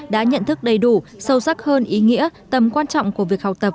đã nhận thức đầy đủ sâu sắc hơn ý nghĩa tầm quan trọng của việc học tập